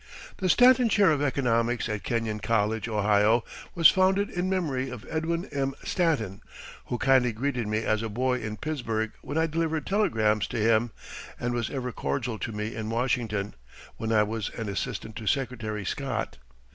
The Stanton Chair of Economics at Kenyon College, Ohio, was founded in memory of Edwin M. Stanton, who kindly greeted me as a boy in Pittsburgh when I delivered telegrams to him, and was ever cordial to me in Washington, when I was an assistant to Secretary Scott.